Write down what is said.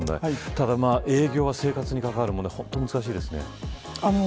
ただ、営業は生活に関わる問題難しいですね。